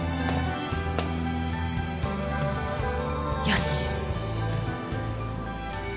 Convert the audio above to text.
よし！